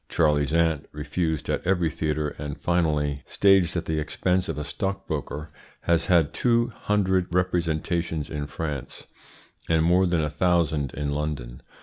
"Charley's Aunt," refused at every theatre, and finally staged at the expense of a stockbroker, has had two hundred representations in France, and more than a thousand in London.